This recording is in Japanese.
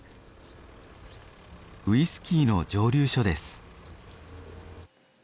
ウイスキーの蒸留所です。